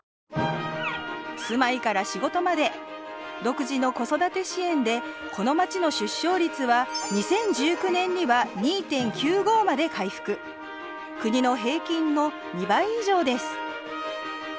住まいから仕事まで独自の子育て支援でこの町の出生率は２０１９年には２．９５まで回復国の平均の２倍以上です